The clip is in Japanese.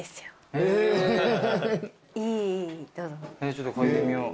ちょっと嗅いでみよう。